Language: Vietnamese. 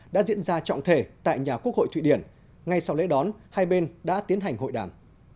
đã diễn ra trọng thể tại nhà quốc hội thụy điển ngay sau lễ đón hai bên đã tiến hành hội đàm